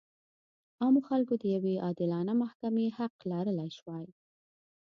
عامو خلکو د یوې عادلانه محکمې حق لرلی شوای.